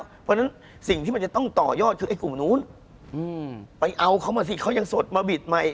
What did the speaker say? เพราะฉะนั้นสิ่งที่มันจะต้องต่อยอดคือไอ้กลุ่มนู้นไปเอาเขามาสิเขายังสดมาบิดใหม่